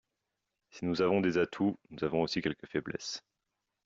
Si nous avons des atouts, nous avons aussi quelques faiblesses.